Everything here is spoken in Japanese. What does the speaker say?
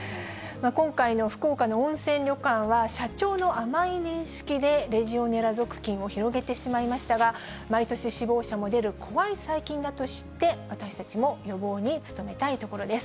今回の福岡の温泉旅館は、社長の甘い認識でレジオネラ属菌を広げてしまいましたが、毎年死亡者も出る怖い細菌だと知って、私たちも予防に努めたいところです。